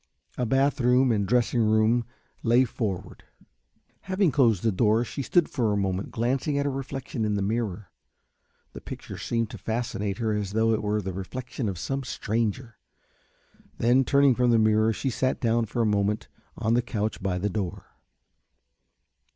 A bath room and dressing room lay forward. Having closed the door she stood for a moment glancing at her reflection in the mirror. The picture seemed to fascinate her as though it were the reflection of some stranger. Then, turning from the mirror, she sat down for a moment on the couch by the door.